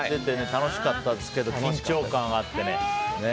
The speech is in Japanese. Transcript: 楽しかったですけど緊張感あってね。